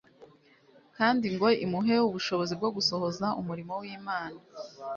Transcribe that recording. kandi ngo imuhe ubushobozi bwo gusohoza umurimo w'Imana;